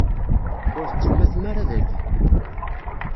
Ur tettemmatem ara daki.